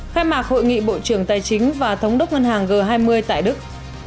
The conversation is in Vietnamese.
khai mạc hội nghị bộ trưởng tài chính và thống đốc ngân hàng g hai mươi tại đức